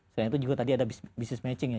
selain itu juga tadi ada business matching ya